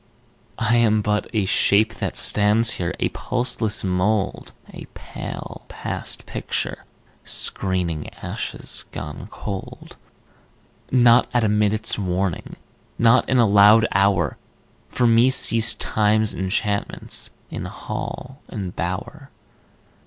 I am but a shape that stands here, A pulseless mould, A pale past picture, screening Ashes gone cold. Not at a minute's warning, Not in a loud hour, For me ceased Time's enchantments In hall and bower.